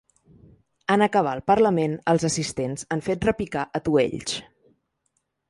En acabar el parlament, els assistents han fet repicar atuells.